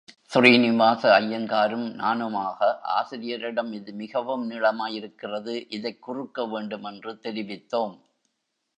ஸ்ரீனிவாச ஐயங்காரும் நானுமாக, ஆசிரியரிடம் இது மிகவும் நீளமாயிருக்கிறது, இதைக் குறுக்க வேண்டும் என்று தெரிவித்தோம்.